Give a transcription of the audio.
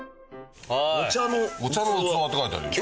お茶の器って書いてあるよ。